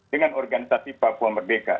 dengan organisasi papua merdeka